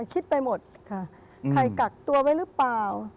คิดไปหมดค่ะใครกักตัวไว้หรือเปล่า